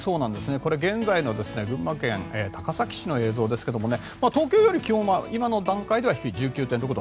これ、現在の群馬県高崎市の映像ですが東京、気温は今の時点では１９．６度。